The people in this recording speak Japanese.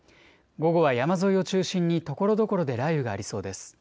午後は山沿いを中心にところどころで雷雨がありそうです。